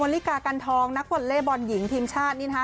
ตอนริกากันทองนักบอลเลบอลหญิงทีมชาตินี่ฮะ